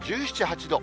１７、８度。